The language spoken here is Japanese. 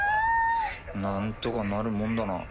なんとかなるもんだな。